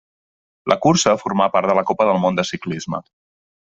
La cursa formà part de la Copa del món de ciclisme.